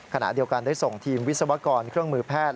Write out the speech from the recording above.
ขณะเดียวกันได้ส่งทีมวิศวกรเครื่องมือแพทย์